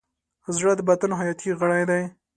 زړه د بدن حیاتي غړی دی.